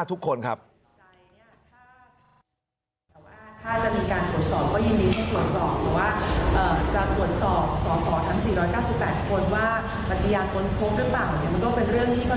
คุณสิริกัญญาบอกว่า๖๔เสียง